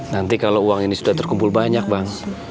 nanti kalau uang ini sudah terkumpul banyak bang